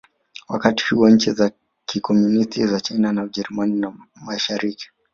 Wakati huo nchi za Kikomunisti za China na Ujerumani Mashariki